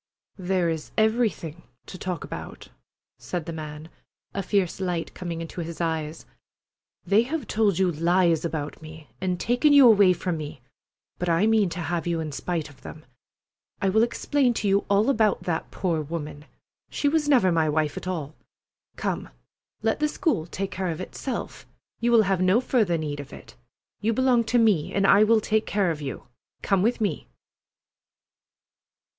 "There is everything to talk about," said the man, a fierce light coming into his eyes. "They have told you lies about me, and taken you away from me, but I mean to have you in spite of them. I will explain to you all about that poor woman. She was never my wife at all. Come, let the school take care of itself. You will have no further need of it. You belong to me, and I will take care of you. Come with me!"